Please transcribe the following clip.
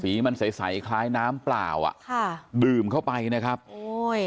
มันใสใสคล้ายน้ำเปล่าอ่ะค่ะดื่มเข้าไปนะครับโอ้ย